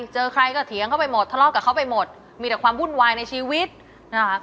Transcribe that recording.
เจอใครก็เถียงเข้าไปหมดทะเลาะกับเขาไปหมดมีแต่ความวุ่นวายในชีวิตนะคะ